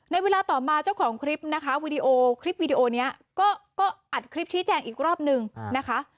เวลาต่อมาเจ้าของคลิปนะคะวีดีโอคลิปวิดีโอนี้ก็อัดคลิปชี้แจงอีกรอบนึงนะคะ